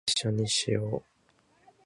一緒にしよ♡